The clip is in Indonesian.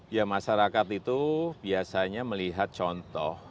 ya masyarakat itu biasanya melihat contoh